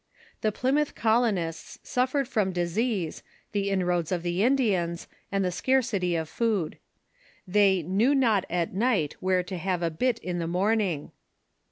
The Plymouth colonists suffered from disease, the inroads of the Indians, and the scarcity of food. They " knew not at night where to have a bit in the morn ing."